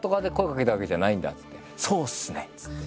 「そうっすね」っつって。